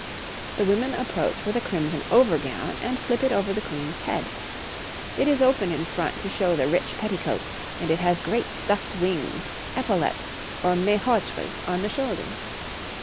The women approach with a crimson over gown and slips it over the Queen's head it is open in front to show the rich petticoat, and it has great stuffed wings, epaulettes, or mahoitres on the shoulders.